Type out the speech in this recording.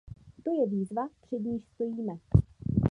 To je výzva, před níž stojíme.